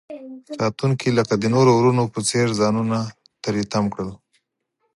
ساتونکي لکه د نورو ورونو په څیر ځانونه تری تم کړل.